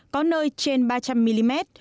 có nơi trên ba trăm linh mm